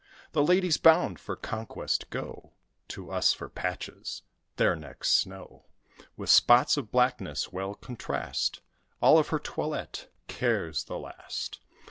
The ladies bound for conquest go To us for patches; their necks' snow With spots of blackness well contrast, Of all her toilette cares the last.